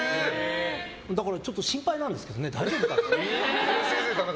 だからちょっと心配なんですけど大丈夫かって。